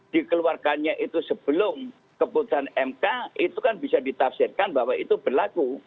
dikeluarkannya itu sebelum keputusan mk itu kan bisa ditafsirkan bahwa itu berlaku